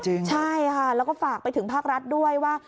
ใช่ค่ะแล้วก็ฝากไปถึงภาครัฐด้วยว่า